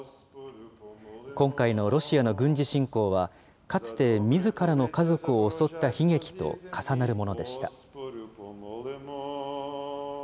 今回のロシアの軍事侵攻はかつてみずからの家族を襲った悲劇と重なるものでした。